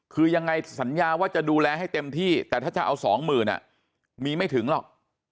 คือยังไงสัญญาว่าจะดูแลให้เต็มที่แต่ถ้าจะเอาสองหมื่นมีไม่ถึงหรอก